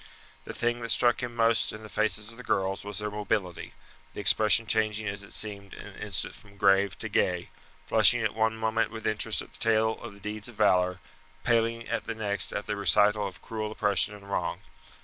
The thing that struck him most in the faces of the girls was their mobility, the expression changing as it seemed in an instant from grave to gay flushing at one moment with interest at the tale of deeds of valour, paling at the next at the recital of cruel oppression and wrong.